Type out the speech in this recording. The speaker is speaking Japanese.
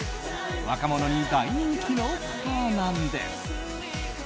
若者に大人気のスターなんです。